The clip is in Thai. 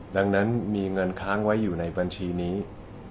ดังนั้นมีเงินค้างไว้อยู่ในบัญชีนี้๙๑๘๖๘๖๙สตังค์